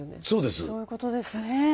そういうことですね。